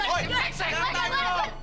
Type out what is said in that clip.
eh lu oi paksa ngantai yuk